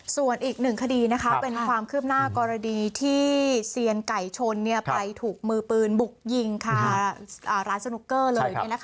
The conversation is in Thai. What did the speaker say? ส่วนอีกหนึ่งคดีเป็นความคืบหน้ากรณีที่เซียนไก่ชนไปถูกมือปืนบุกยิงค่ะร้านสนุกเกอร์เลย